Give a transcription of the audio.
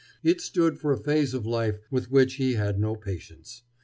It stood for a phase of life with which he had no patience.